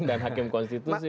dan hakim konstitusi